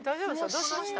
どうしました？